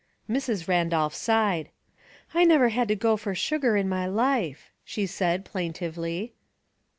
Mrs. Randolph sighed. '* 1 never had to go for sugar in my life," she said, plaintively.